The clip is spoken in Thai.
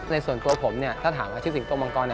ส่วนตัวผมถ้าถามอาชีพสิงโตมังกร